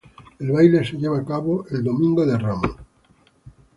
El baile se lleva a cabo el domingo de ramos.